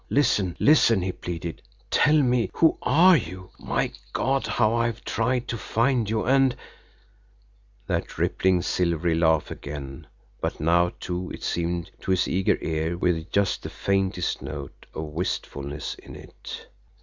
Listen! Listen!" he pleaded. "Tell me who you are! My God! how I've tried to find you, and " That rippling, silvery laugh again, but now, too, it seemed to his eager ear, with just the faintest note of wistfulness in it.